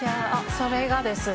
それがですね